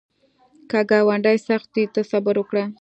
که ګاونډی سخت وي، ته صبر وکړه